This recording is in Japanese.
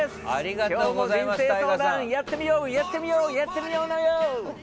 今日も人生相談やってみよう、やってみようやってみようのよう！